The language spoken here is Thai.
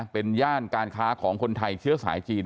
เป็นย่านการค้าของคนไทยเชื้อสายจีน